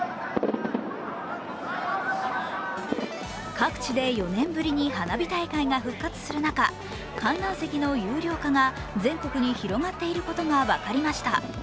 各地で４年ぶりに花火大会が復活する中、観覧席の有料化が全国に広がっていることが分かりました。